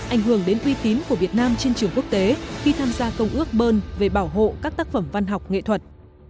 ảnh hưởng đến uy tín của việt nam trên trường quốc tế khi tham gia công ước bơn về bảo hộ các tác phẩm văn học nghệ thuật